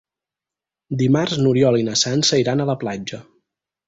Dimarts n'Oriol i na Sança iran a la platja.